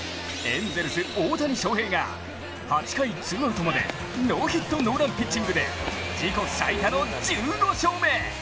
エンゼルス・大谷翔平が８回ツーアウトまでノーヒット・ノーランピッチングで自己最多の１５勝目！